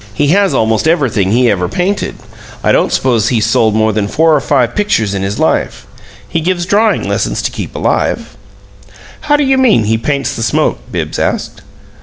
He has almost everthing he ever painted; I don't suppose he's sold more than four or five pictures in his life. He gives drawing lessons to keep alive." "How do you mean he paints the smoke?" Bibbs asked.